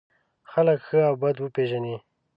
خلک ښه او بد وپېژني.